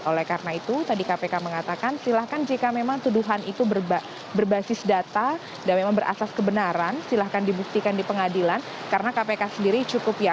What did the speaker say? oleh karena itu tadi kpk mengatakan silahkan jika memang tuduhan itu berbasis data dan memang berasas kebenaran silahkan dibuktikan di pengadilan karena kpk sendiri cukup yakin